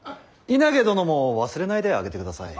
稲毛殿も忘れないであげてください。